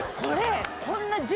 これこんな。